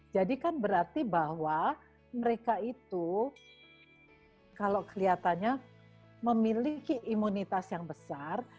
jadi kan berarti bahwa mereka itu kalau kelihatannya memiliki imunitas yang besar